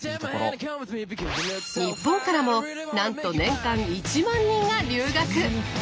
日本からもなんと年間１万人が留学！